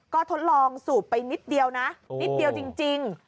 ก็ทดลองสูบไปนิดเดียวนะนิดเดียวจริง